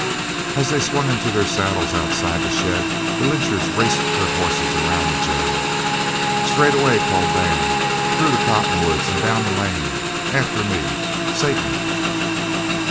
As they swung into their saddles outside the shed, the lynchers raced their horses around the jail. "Straightaway!" called Dan. "Through the cottonwoods and down the lane. After me. Satan!"